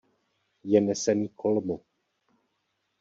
Je nesený kolmo.